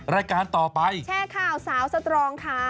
รายการต่อไปแชร์ข่าวสาวสตรองค่ะ